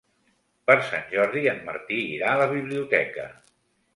Per Sant Jordi en Martí irà a la biblioteca.